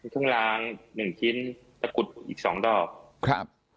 ขึ้นล้าง๑ชิ้นสกุลอีก๒ตอบ